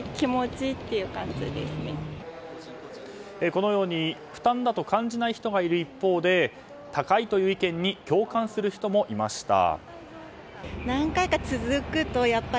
このように負担だと感じない人がいる一方で高いという意見に共感する人もいました。